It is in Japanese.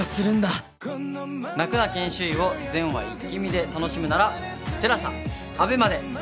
『泣くな研修医』を全話イッキ見で楽しむならＴＥＬＡＳＡＡＢＥＭＡで。